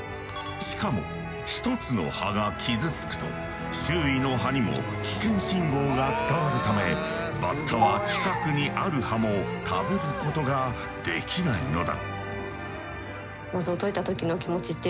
しかも１つの葉が傷つくと周囲の葉にも危険信号が伝わるためバッタは近くにある葉も食べることができないのだ。